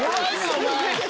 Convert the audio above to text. お前。